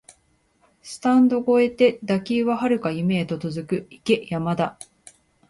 スタンド超えて打球は遥かな夢へと続く、行け山田